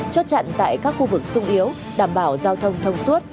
chốt chặn tại các khu vực sung yếu đảm bảo giao thông thông suốt